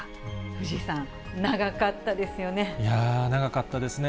藤井さん、長かったですよね。